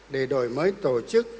để đổi mới tổ chức